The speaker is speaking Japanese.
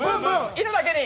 犬だけに。